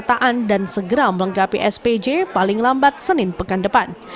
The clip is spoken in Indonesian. pemeriksaan ini berjalan secara nyataan dan segera melengkapi spj paling lambat senin pekan depan